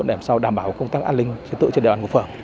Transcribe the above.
để làm sao đảm bảo công tác an ninh trên địa bàn của phường